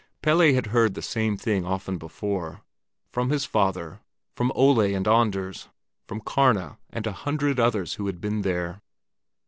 Pelle had heard the same thing often before—from his father, from Ole and Anders, from Karna and a hundred others who had been there.